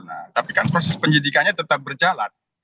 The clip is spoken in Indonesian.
nah tapi kan proses penyidikannya tetap berjalan